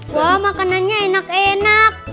wah makanannya enak enak